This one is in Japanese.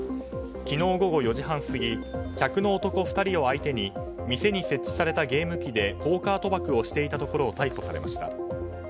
昨日午後４時半過ぎ客の男２人を相手に店に設置されたゲーム機でポーカー賭博をしていたところを逮捕されました。